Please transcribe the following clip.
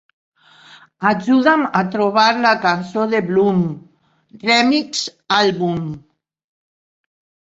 Ajuda'm a trobar la cançó de Bloom: Remix: Album.